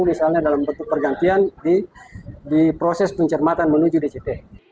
misalnya dalam bentuk pergantian di proses pencermatan menuju dct